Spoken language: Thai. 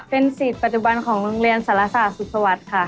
เป็นสีดปัจจุบันของโรงเรียนสรรษาสุทธวัฒน์ค่ะ